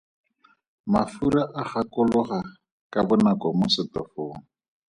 Mafura a gakologa ka bonako mo setofong.